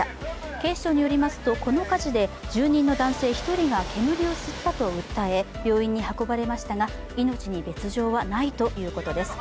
警視庁によりますとこの火事で住人の男性１人が煙を吸ったと訴え病院に運ばれましたが命に別状はないということです。